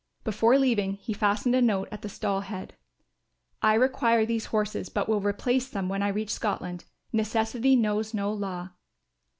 Before leaving he fastened a note at the stall head: "I require these horses but will replace them when I reach Scotland. Necessity knows no law.